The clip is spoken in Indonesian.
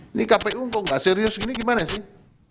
ini kpu kok nggak serius ini gimana sih